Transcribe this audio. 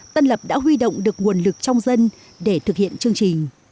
tân lập đã huy động được nguồn lực trong dân để thực hiện chương trình